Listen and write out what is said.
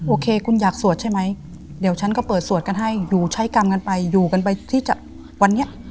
โอเคคุณอยากสวดใช่ไหมเดี๋ยวฉันก็เปิดสวดกันให้อยู่ใช้กรรมกันไปอยู่กันไปที่จะวันนี้